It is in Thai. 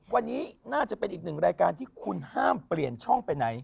วันนี้น่าจะเป็นอีกหนึ่งรายการที่คุณห้ามเปลี่ยนช่องไปไหน